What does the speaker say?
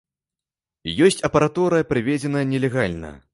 Ёсць апаратура, прывезеная нелегальна.